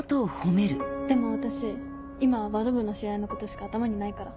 でも私今はバド部の試合のことしか頭にないから。